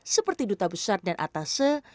seperti duta besar dan atase